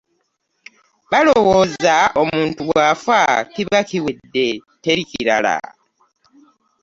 Balowooza omuntu bw'afa kiba kiwedde teri kirala.